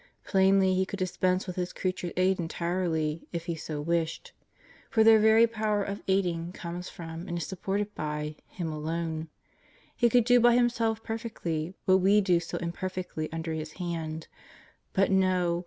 Plainly He could dispense with His creatures 7 aid entirely, if He so wished; for their very power of aiding comes from, and is supported by, Him alone. He could do by Himself perfectly, what we do so imperfectly under His hand but no!